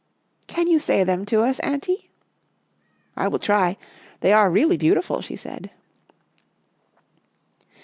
" Can you say them to us, Aunty?" " I will try, — they are really beautiful," she said.